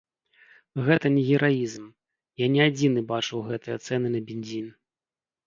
Гэта не гераізм, я не адзіны бачыў гэтыя цэны на бензін.